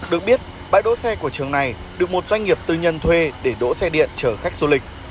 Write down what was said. được biết bãi đỗ xe của trường này được một doanh nghiệp tư nhân thuê để đỗ xe điện chở khách du lịch